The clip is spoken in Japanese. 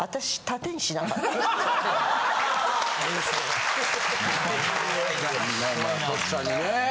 まあまあとっさにね。